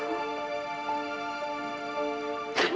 tapi setelah itu